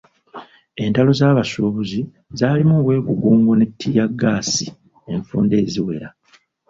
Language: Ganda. Entalo z'abasuubuzi zaalimu obwegugungo ne ttiya ggaasi enfunda eziwera.